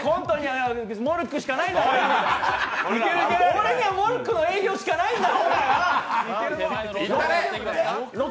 俺にはモルックの営業しかないんだ！